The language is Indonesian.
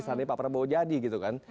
seandainya pak prabowo jadi gitu kan